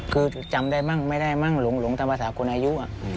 คือจำได้มั่งไม่ได้มั่งหลงทั้งประสาคุณอายุ